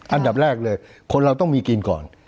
อันดับแรกเลยคนเราต้องมีกินก่อน